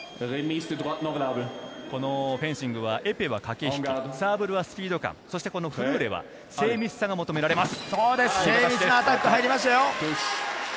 フェンシングはエペは駆け引き、サーブルはスピード感、フルーレは精密さが求められます。